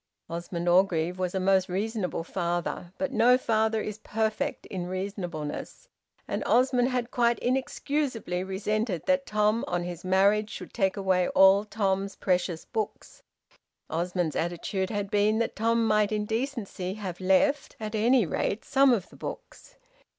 Osmond Orgreave was a most reasonable father, but no father is perfect in reasonableness, and Osmond had quite inexcusably resented that Tom on his marriage should take away all Tom's precious books. Osmond's attitude had been that Tom might in decency have left, at any rate, some of the books.